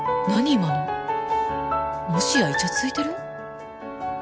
今のもしやイチャついてる？